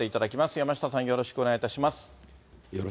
山下さん、よろしくお願いします。